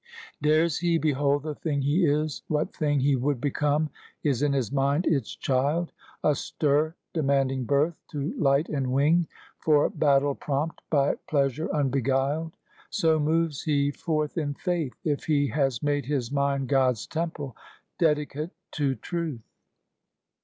Dares he behold the thing he is, what thing He would become is in his mind its child; Astir, demanding birth to light and wing; For battle prompt, by pleasure unbeguiled. So moves he forth in faith, if he has made His mind God's temple, dedicate to truth.